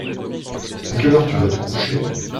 À quelle heure tu vas te coucher ?